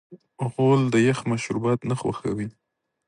غول د یخ مشروبات نه خوښوي.